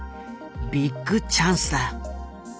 ビッグチャンスだ。